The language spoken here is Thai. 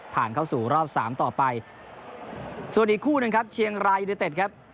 ผ่านเข้าสู่รอบ๓ต่อไปส่วนอีกคู่หนึ่งครับเชียงรายุทธครับ